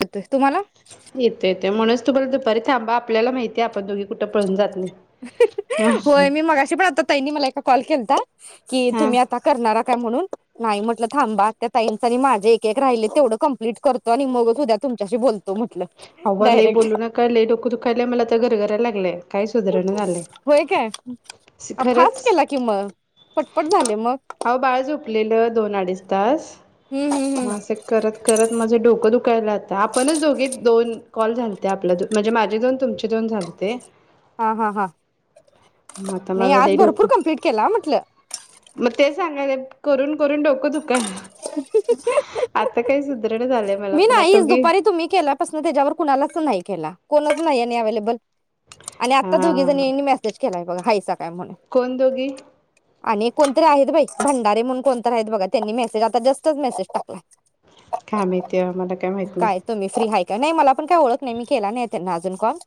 येतोय तुम्हाला येते येते म्हणूनच तुम्हाला दुपारी थांबा आपल्याला माहीतीये आपन दोघी कुठ पळून जात नाही. मग होय मी मगाशी पण आता तईनी मला एका कॉल केलता की हा तुम्ही आता करनारा काय म्हनुन नाही म्हटल थांबा आत्या ताईंचं नि माझ एक एक राहीले तेवढ कंप्लीट करतो अणि मगच उदया तुमच्याशी बोलतो म्हटलं आव्वा लई डायरेक्ट बोलू नका, लई डोक दुखायलय मला अता गरगरा लागलय. व्हय काय? फास खरंच केला की मग, पटपट झालय मग. अहो बाळ झोपलेलं दोन उडीच तास हम्म हम्म हम्म म अस करत करत माझ डोक दुखायल आता आपणच दोघी पण कॉल झालते आपल्यात म्हणजे माझे दोन तुमचे दोन झालते. हा हा हा मग आता नाही माझं आज लई भरपूर डोकं कम्प्लिट केला म्हंटल मग ते सांगायलेत करून करून डोख दुखाय आता काय सुद मी नाहीच दुपारी तुम्ही केल्या पासन त्याज्यावर कुणालाच नाही केला कोणच नाही आणि एविलेबल आणि आता दोघी हा जणींनी मॅसेज केलाय बघा हाय कोण दोघी आणि एक कोणतरी आहेत बाई भंडारे मनून कोणतरी आहेत बघा आता जस्ट च मॅसेज टाकलाय काय माहिती बाबा मला काय माहित नाही तुम्ही फ्री हाय काय नाइ मला पण काय ओळख नाही मी केला नाही त्यांना अजून कॉल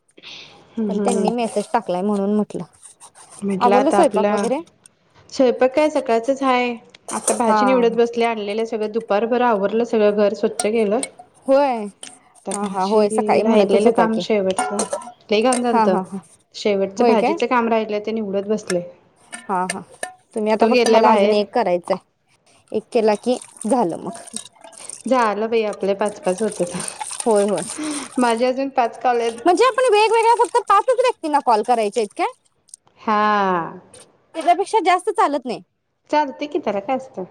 हम्म पण हम्म हम्म त्यांनी मेसेज टाकलाय मनून म्हटलं म्हटलं आवरलं आता स्वयंपाक आपलं वगैरे स्वयपाक काय सकाळचाच हाय आता हा भाजी निवडत बसलेय आणलेलं सगळं दु भरभर आवरल सगळं घर स्वच्छ केलं होय आता हा हा होय भाजी सकाळी म्हणतच राहिलेलं होता काम की शेवटच लई घाण हा झालत हा हा शेवटच होय काय भाजीचं काम राहील हा हा तुम्ही तो आता गेलाय मला अजून बाहेर एक करायचं एक केला की झालं मग झालं बाई आ आपले पाच पाच होतेत होय होय माझे अजून पाच कॉल आहेत म्हणजे आपण वेगवेगळ्या फक्त पाचच व्यक् क्तीना कॉल करायचेत काय हा आ त्याच्यापेक्षा जास्त चालत नाही चालतंय की त्याला काय असतंय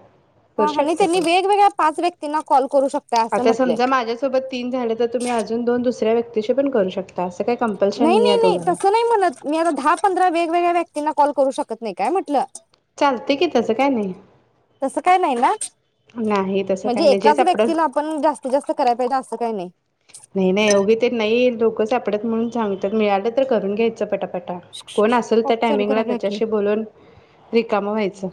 करू हा हा नाही शकता त्यांनी तुम्ही वेगवेगळ्या पाच व्यक्तींना कॉल करू शकता असं आता म्हटलंय समजा माझ्या सोबत तीन झाले तर तुम्ही अजून दोन दुसऱ्या व्यक् तिचे पण करू शकता. असं काही कंपल्शन नाही नाही आहे नाही तुम्हाला तसं नाही मनत मी आता दहा पंधरा वेगवेगळ्या व्यक्.... कतीन कॉल करू शकत नाही काय म्हटलं चालते की तसं काय नाही तसं काय नाही ना नाही तसं म्हणजे काय नाही जे एकाच सापडल व्यक्तीला आपण जास्तीत जास्त कराय पाहिजे असं काय नाही. नाही नाही उगी ते नाही लोकं सापडत मनून सांगतेत मिळालं तर करून घ्यायचं पटा..... शुक शुक शुक कॉक चालू करा काकी बोलून रिकामं व्हायचं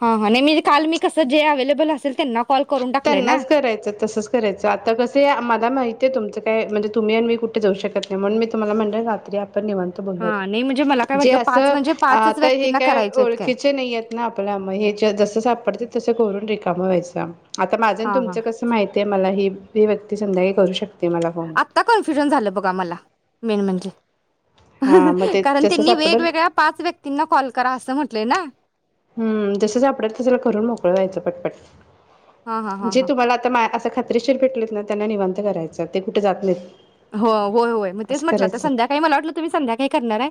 हा हा नाही म्हणजे काल मी कस जे एविलेबेल वेळ असेल त्यांना?? कॉल करून टाकलाय ना त्यांनाच करायचा तसंच करायचं आता कसय आम्हाला माहित ते तुमच काय म्हणजे तुम्ही आम्ही कुठं जाऊ शकत नाही मनून तुम्हाला म्हटलं रात्री आप आपण निवांत हा नाही म्हणजे मला बोलुयात काय जे वाटलं पाच असं म्हणजे पाचच आत्ता हे व्यक्तींना काय करायचे आहेत काय ओळखीचे नाहीयेत न आपल्या मग हे च जसे सापडत्यात तसं. ते करून रिकामं व्हायचं. आता माझं न हा हा तुमचं कसं माहितेय मला ही ती व्यक्ती संध्याकाळी करू शक आत्ता कन्फ्युजन झालं बघा मला मेन म्हणजे हा मग [inaudible] ते कारण जसं त्यांनी सापडल वेगवेगळ्या पाच व्यक्तींना कॉल करा असं म्हणलं ना. ह जस सापडेल तसं करून मोकळ व्हायचं पटपट. हा हा हा जे हा तुम्हाला आता माझ्या अ खात्रीशीर भेटलेत ना त्यांना निवांत करायचं ते कुठे जात नाहीत. हा होय, होय मग तेच असं म्हटलं आता करायचं. संध्याकाळी मला वाटलं तुम्ही संध्याकाळी करणार आहे.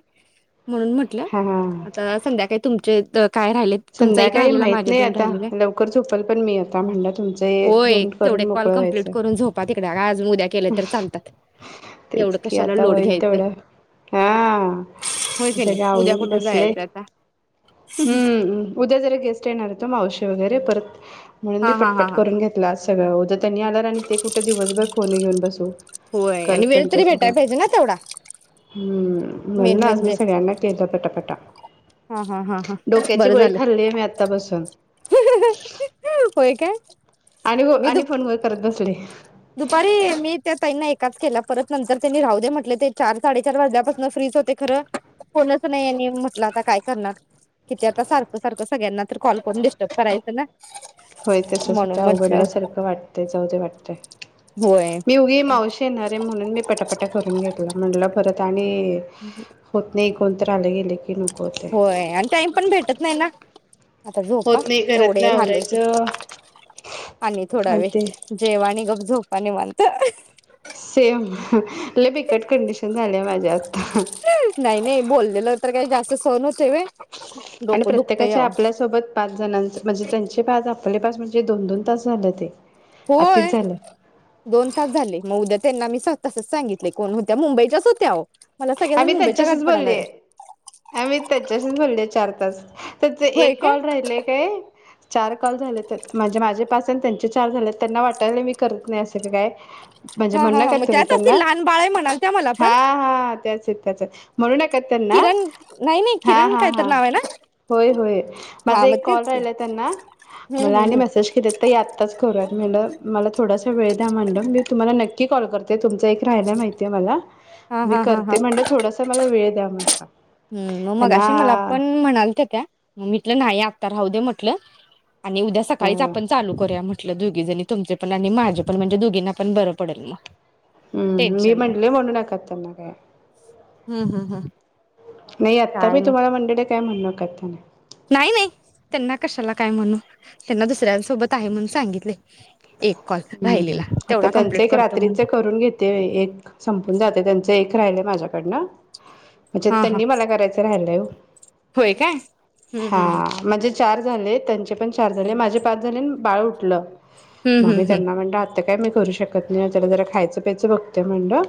म्हणून म्हटलं हा हा. आता संध्याकाळी तुमच्या इथं काय राहिलं तुमचा एक संध्याकाळी राहिलेला माहित माझे नाही दोन आता राहिलेले. लवकर झोपल पण मी आता म्हणलं तुमचं हे होय दोन तेवढा करून एक कॉल मोकळं कम्प्लीट व्हायचं. करून झोपा तिकड आज आणि उद्या केले तरी चालतात. तेच एवढं की, कशाला आता लोड होईल घ्यायचं. तेवढं हा होय की नाही? सगळं उद्या आवरून कुठं बसले. जायचं आता? हं उद्या जरा गेस्ट येणार आहेत ओ मावशी वगैरे परत म्हणून मी हां, हां, हां, पटपट हां. करून घेतल आज सगळं. उद्या त्यांनी आल्यावर आणि ते कुठे दिवसभर फोन घेऊन बसू. होय करत आणि वेळ तरी भेटायला त्यांच्यासमोर पाहिजे ना तेवढा? हम्म. मेन म्हणून आज मी म्हणजे. सगळ्यांना केलं पटापटा. हां, हां, हां, हां. डोक्याची गोळी खाल्ली मी आत्ता बसून ह ह ह ह होय काय? आणि हो मी दुप आणि फोन वर करत बसले. दुपारी मी त्या ताईंना एकाच केला परत त्यांनी राहू दे म्हणले चार साडेचार वाजल्यापासून फ्रि च होते खरं कोणच नाही? म्हणलं आता काय करणार किती आता सारखं सारखं सगळ्यांना तरी कॉल करून डिस्टर्ब करायचं ना? होय तसंच होतय. म्हणून म्हटलं अवघडल्यासारखं वाटतंय, जाऊ दे वाटतंय. होय मी उगी मावशी येणार आहे म्हणून मी पटापट करून घेतलं. म्हणलं परत आणि होत नाहीत. कोणतर आलं गेल क होय आणि टाईम पण भेटत नाही ना. आता झोपा होत नाही एवढं घरातलं हे झालं की आवरायचं आणि थोडा वेळ जेवा आणि गप झोपा निवांत. सेम लय बीकट कटकंडिशन झाली आहे माझी आज. ह नाही नाही बोललेलं तर काय जास्त सहन होत आणि प्रत्येकाचे आपल्या सोबत पाच जणांच म्हजे त्यांचे पाच आणि आप [unintelligible] पासूनचे दोन दोन तास झाले ते आत्ताच होय झालं दोन तास झाले म उद्या त्यांना मी सां तसंच सागितलय कोण होत्या मुंबईच्याच होत्या आहो आम्ही त्यांचाशीच बोललीय आम्ही त्याचाशीच बोललं चार ताच त्यांचा होय एक काय? कॉल राहिलायं काय चार कॉल झाले त्या - - म्हणजे माझे पाच अन त्यांचे चार झालेत त्यांना वाटालंय मी करत नाय असं की काय म्हणजे हा म्हणू हा हा नका म तुम्ही त्याच असतील त्यांना लहान बाळ आहे म्हणाल्या त्या मला पण ते त्याचच म्हणूनच ते त्यांना किरण नाही नाही हा किरण हा काय तर हा नाव आहे ना होय होय हा माझा मग एक कॉल तेच की राहिला आहे त्यांना हम्म मला हम्म आणि हम्म मॅसेज केले ताई आताच करूयातं मी म्हटलं मला थोडासा वेळ द्या म्हटलं मी तुम्हाला नक्की कॉल करते तुमचा एक राहिलाय माहितीये मला हा हा हा हा थोडस मला वेळ द्या म्हणलं हम्म मगाशी मला त्यांना पण म्हणालत्या त्या मग मी म्हटलं राहूदे मग कुठलं आणि उदया सकाळीच अ आपण चालू करूया म्ह म्हटलं दोघीजनी तुमचे पण आणि माझे पण म्हणजे दोघींना पण बर पडेल म हूं मी म्हटलय म्हणू नकात त्यांना काय हा हा हा नाही आता मी तुम्हाला म्हणलेलं काय म्हणु नकात तुम्ही नाही नाय त्यांना कशाला काय म्हणू ह्यांना दुसऱ्यांसोबत आहे म्हण सांगितले एक कॉल हम्म राहिलेला आता तेवढा त्यांच कंप्लीट एक करतो म्हण रात्रीच करून घेते एक संप मंग जाते त्यांच एक राहिलय माझ्याकडनं म्हणजे हा हा त्यांनी मला करायचं राहिलाय हो होय काय हम्म हा चार झाले त्यांचे पण चार झाले माझे पाच झाले अन बाळ उठलं [inaudible] मग मी हम्म त्यांना म्हटलं आत्ता काय मी करू शकत नाय यांच्याकडं जरा खायचं च बघतय म्हणलं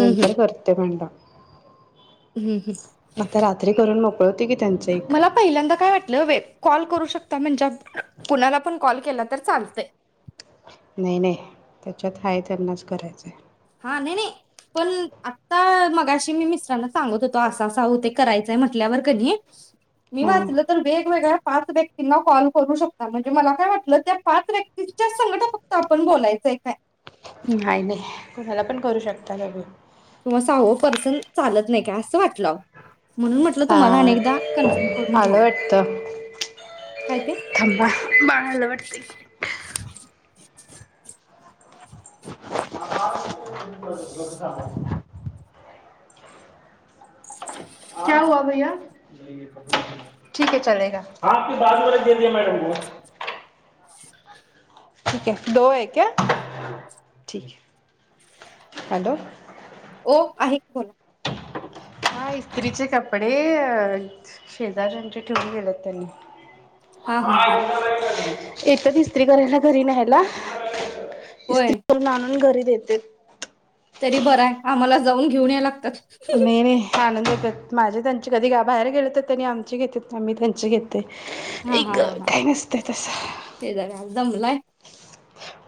नंतर करते [unintelligible] हं हं आता रात्री करून मोकळ होते की त्यांचं एक मला पहिल्यांदा काय वाटलं कॉल करू शकता म्हणजे कुणाला पण कॉल केला तर चालतय. नाही नाही त्याच्यात आहे त्यांनाच करायचं आहे. हा नाई नाई पण आता मगाशी मी मिस्टरांना सांगत होतो असा असा होते करायचंय म्हटल्यावर कणी मी हा वाचलं तर वेगवेगळा पाच व्यक्तींना कॉल करू शकता. म्हणजे मला काय वाटलं, त्या पाच व्यक्तीच्याच संगट फक्त आपण बोलायचंय काय. हं काय नाही. कुणाला पण करू शकताय भाभी. तर मग सहावं पर्सन चालत नाही काय असं वाटलं अहो. हा करून आलं घ्यावं वाटतं. काय ते थांबा बाळ आलं वाटतंय. [unintelligible] [inaudible] [unintelligible] ठीक हे दो हे क्या ठीक है हॅलो हो आहे की बोला. हा इस्त्रीचे कपडे शेजार्यांचे ठेवून गेलेत त्यांनी. हा हा हा [inaudible] येतात इस्त्री करायला घरी न्यायला. इस्त्री होय करून आणून घरी देतेत. तरी बरंय आम्हाला जाऊन घेऊन या लागत्यात. नही, नही आणुन देतात माझे त्यांची कधी ग बाहेर गेले तर त्यांनी आमची घेतेत, आम्ही त्यांची घेत हा आई हा ग हा हा काय नसतंय तसं. शेजारी आज [unintelligible]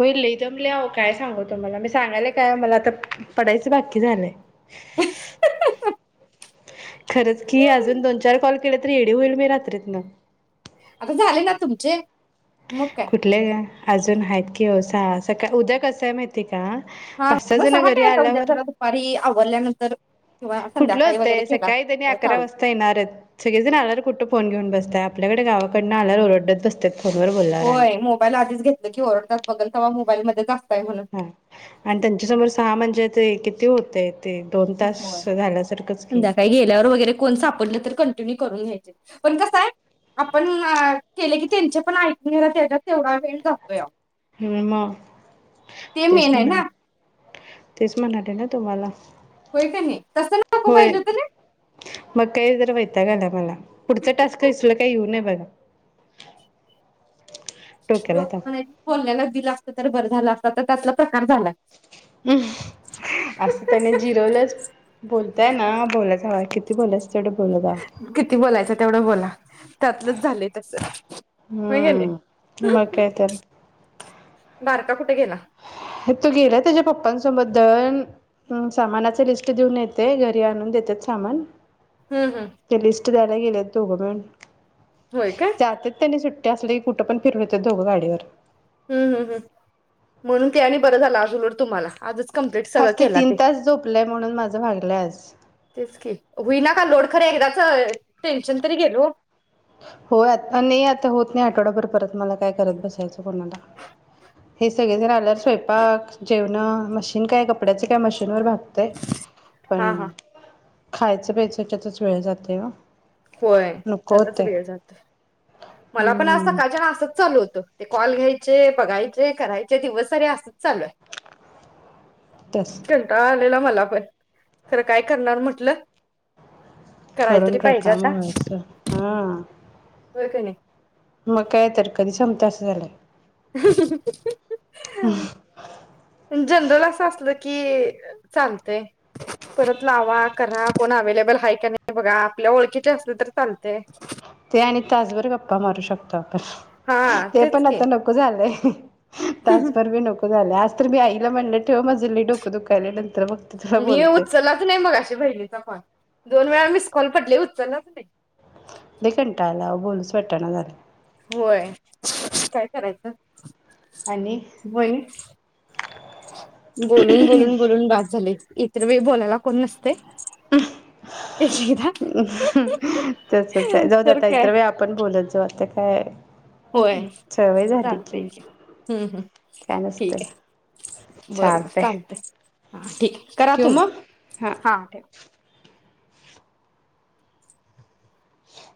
होय लई दमले अहो काय सांगू तुम्हाला मी सांगायला काय मला आता पडायचं बाकी झालंय. [inaudible] खरंच की अजून दोन चार कॉल केले तर येडी होईल मी रात्रीतन. आता झाले ना तुमचे? मग काय कुठले काय. अजून आहेत की हो सहा असं काय उद्या कसं आहे माहिती का? हा पाच मग जण सहा घरी काय आता उद्या आल्यावर घरा दुपारी आवरल्यानंतर कुठलं संध्याकाळी वगैरे होतंय. केला सकाळी त्यांनी तर अकरा चालेल वाजता येणार आहेत. सगळेजण जाणार कुठं फोन घेऊन बसतय आपल्याकडे गावाकडन आल्याला ओरडच बसत्यात. होय मोबाईल आधीच घेतल की ओरडतात. बघल तवा मो मोबाईल मध्येच असं हा आणि त्यांच्या समोर सहा म्हणजे ते कि ते होतंय हो संध्याकाळी गेल्यावर वगैरे कोण सापडलं तर कन तुम्ही करून घ्यायचं की पण कसय आपण केल की त्यांच ऐकून घेयला पण तेवढा वेळ जातोया [unintelligible] ते तेच मेन आहे म्हणा ना तेच म्हणाले ना तुम्हाला होय का नाय तसं नको होय पाहिजे होत नाई मग काही जर वैताग आलाय मला पुढचा टास्क इसलं काय येऊनय बघा डोक्याला लोक ताप म्हणायची बोलल्याला दिल बरं झालं असता तर त्यातला प्रकार झालाय. हम् असं त्याने झिरवलच बोल त्या अ ना बोलायच हव किती बोलायच तेवढं बोलत जा किती बोलायचं तेवढं बोला त्यातलंच झालंय तस हम्म मग कायतर बारका कुठ गेला तो गेला त्यांच्या पप्पा सोबत दळण सामानाचे लिस्ट देऊन येते घरी आणून देतेत सामान हम्म हम्म ते लिस्ट द्याय व्हय गेलेत दोघं मिळून होय काय जातेत त्यांनी सु ते असूदे कुठं पण फिरून येत्यात दोघं गाडीवर हम्म हम्म हम्म म्हणून ते आणि बरं झालं आज उलट तुम्हाला आजच कंप्लीट सगळ आज केला तीन ते तास झोपलंय म्हणून माझं भागलंय आज. तेच की होइना काल लोड खर एकदाच टेन्शन तरी गेल वो होय आत्ता नाय आता होत नाही आठवडाभर परत काय करत बसायचं कोणाला हे सगळ जण आल्यावर स्वयंपाक जेवण मशीन काय कपड्याची काय मशीनवर होतय पण हा हा खायचं प्यायचं त्याच्यातच वेळ जातय हो. होय त्यांतच वेळ मला पण आज हम्म सकाळच्यान असंच चालू होत ते कॉल घ्यायचे ते बघायचे करायचे दिवस सारे अस चाललोय तस. कंटाळा आला दिला मला पण खरं काय करणार म्हटलं करून काहीतरी पाहिज्यात रिकामं व्हायचं हां! होय कां नई? मग काय तर कधी संपतय असं झालंय जनरल असं असलं की चालतय परत लावा करा कोण अवेलेबल आहे की नाही बघा आपल्या ओळखीचं असल तर चालतय. ते आणि तासभर गप्पा मारू शकता. हा ते तेच पण की आता नको झालय. तासभर बी नको झाल्यात. तर मी आईला, म्हनलं ठेव माझं लई डोक दुखायलेल. मी उचललाच नाही, मगाशी बहिणीचा कॉल दोन वेळा मिस कॉल पडले होत उचललाच नाही लई कंटाळा आलाय आओ बोलूच वाटना झालय. होय, काय करायचं? आणि व्हयनी बोलून बोलून बोलून बास झालंय इतर वेळी बोलायला कोण नस हं तसंच आहे, जाऊ तर दया काय इतरवेळी आपण बोलत जाऊ आता. [unintelligible] होय सवय झाली चालतंय की हुं हुं काय नसतंय ठीक आहे बर बर चालतंय. आ ठिकय करा, ठेवू मग तुम्ह हा ठेव.